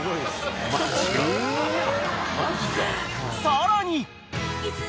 ［さらに］